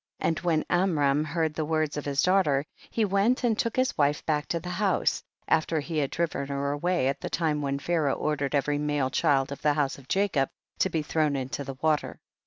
And when Amram heard the words of his daughter, he went and took his wife back to the house, after he had driven her away at the lime when Pharaoh ordered every male child of the house of Jacob to be thrown into the water.